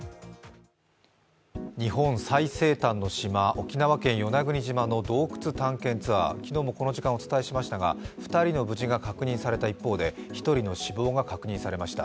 日本最西端の島、沖縄県与那国島の洞窟探検ツアー、昨日もこの時間お伝えしましたが、２人の無事が確認されましたが１人の死亡が確認されました。